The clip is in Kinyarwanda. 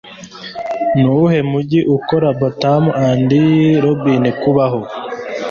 Nuwuhe mujyi Ukora Batman & Robin Kubaho